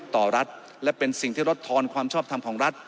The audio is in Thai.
ต่อรัฐและเป็นสิ่งที่ลดทอนความชอบทำของรัฐ